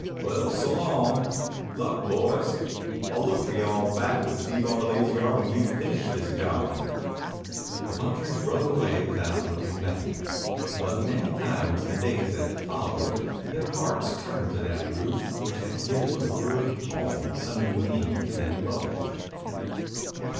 Well, so long. Luck, boys. I'll look for you all back with the D Bar Lazy R when you've finished this job." The punchers rode away without looking back, but many times in the days that followed their hearts turned to that roof which had given the word home a new meaning to them both.